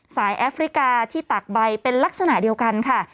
แอฟริกาที่ตากใบเป็นลักษณะเดียวกันค่ะ